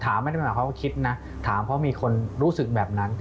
ถามไม่ได้เป็นแบบเขาคิดนะถามเพราะมีคนรู้สึกแบบนั้น